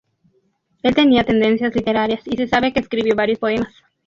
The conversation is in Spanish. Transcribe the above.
Él tenía tendencias literarias, y se sabe que escribió varios poemas.